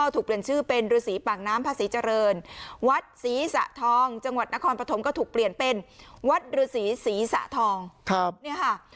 เปลี่ยนชื่อเป็นฤษีปากน้ำพระศรีเจริญวัดศรีสะทองจังหวัดนครปฐมก็ถูกเปลี่ยนเป็นวัดฤษีศรีศรีสะทองเนี่ยค่ะ